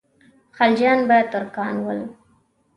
خلجیان به ترکان ول.